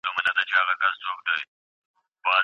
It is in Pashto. ده د ولس غوښتنو ته په غور غوږ نيولی او سمه لارښوونه يې کوله.